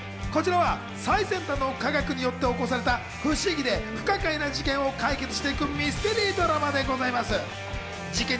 こちらは最先端の科学によって起こされた、不思議で不可解な事件を解決していくミステリードラマでございます。